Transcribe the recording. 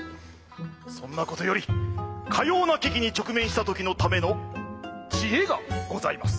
そんなことよりかような危機に直面した時のための知恵がございます。